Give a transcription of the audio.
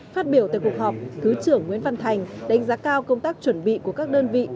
phát biểu tại cuộc họp thứ trưởng nguyễn văn thành đánh giá cao công tác chuẩn bị của các đơn vị